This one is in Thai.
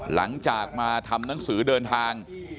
หลังจากมาทำหนังสือเดินทาง